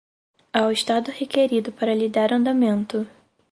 ao Estado requerido para lhe dar andamento.